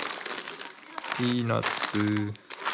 ピーナツ。